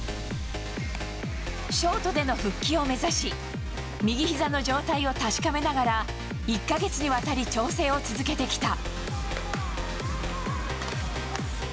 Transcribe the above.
ショートでの復帰を目指し、右ひざの状態を確かめながら、１か月にわたり調整を続けてきた。